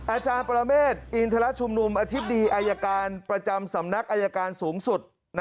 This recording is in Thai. อาจารย์ปรเมฆอินทรชุมนุมอธิบดีอายการประจำสำนักอายการสูงสุด